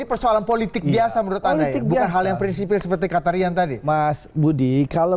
persoalan politik biasa menurut anda hal yang prinsip seperti katarian tadi mas budi kalau